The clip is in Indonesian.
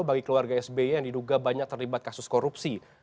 bagi keluarga sby yang diduga banyak terlibat kasus korupsi